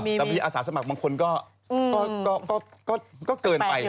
แต่มีอาสาสมัครบางคนก็เกินไป